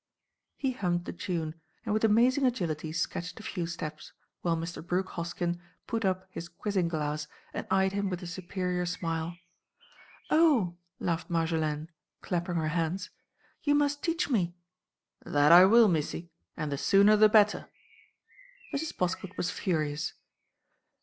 He hummed the tune, and with amazing agility sketched a few steps, while Mr. Brooke Hoskyn put up his quizzing glass and eyed him with a superior smile. "Oh!" laughed Marjolaine, clapping her hands, "you must teach me!" "That I will, Missie! and the sooner the better." Mrs. Poskett was furious.